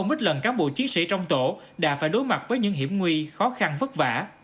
ít lần cán bộ chiến sĩ trong tổ đã phải đối mặt với những hiểm nguy khó khăn vất vả